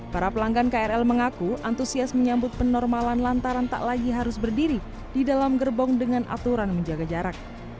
para pelanggan krl mengaku antusias menyambut penormalan lantaran tak lagi harus berdiri di dalam gerbong dengan aturan menjaga jarak